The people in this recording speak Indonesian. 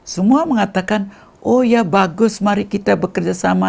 semua mengatakan oh ya bagus mari kita bekerja sama